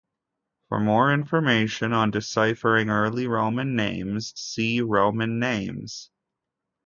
For more information on deciphering early Roman names, see Roman names.